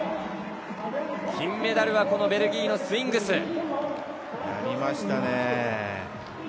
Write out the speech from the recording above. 金メダルはベルギーのスウィングス。